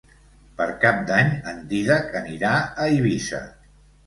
Per Cap d'Any en Dídac anirà a Eivissa.